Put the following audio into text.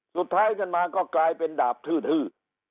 สุดท้ายขึ้นมาก็กลายเป็นดาบทืด